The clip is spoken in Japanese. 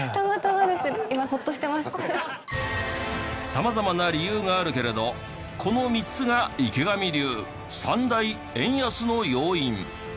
様々な理由があるけれどこの３つが池上流３大円安の要因。